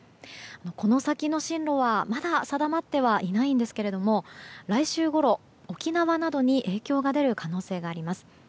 この先の進路はまだ定まってはいないんですけれども来週ごろ沖縄などに影響が出る可能性があります。